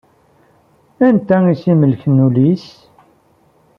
Anta i as-imelken ul-is?